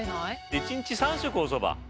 １日３食おそば？